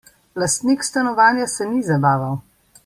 Lastnik stanovanja se ni zabaval.